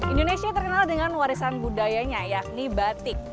indonesia terkenal dengan warisan budayanya yakni batik